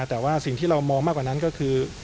แต่ว่าสิ่งที่เรามองมากกว่านั้นก็คือ